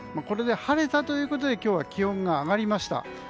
これで晴れたということで今日は気温が上がりました。